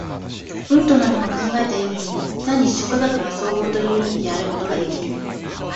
ヴントなどの考えたように、単に諸科学の綜合という意味であることができぬ。